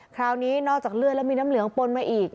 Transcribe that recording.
นอกจากเลือดแล้วมีน้ำเหลืองปนมาอีก